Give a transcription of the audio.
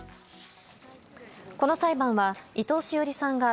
この裁判は伊藤詩織さんが